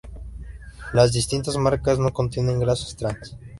Las distintas marcas no contienen grasas trans.